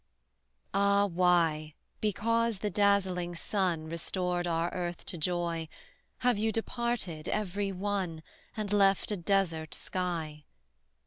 Ah! why, because the dazzling sun Restored our Earth to joy, Have you departed, every one, And left a desert sky?